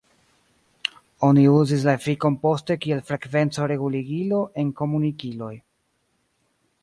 Oni uzis la efikon poste kiel frekvenco-reguligilo en komunikiloj.